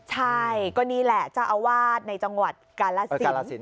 ใช่ก็นี่แหละเจ้าอาวาสในจังหวัดกาลสิน